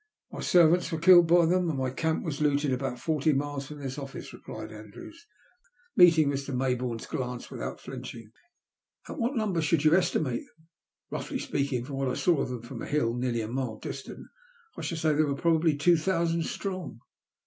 " My servants were killed by them, and my camp was looted about forty miles from this office," 256 THE LUST OF HATB. replied Andrews, meeting Mr. Majboume's glance without flinching. *' At what nomber should yoa estimate them ?'Boaghly speaking, from what I saw of them from a hill nearly a mile distant, I should say they were probably two thousand strong.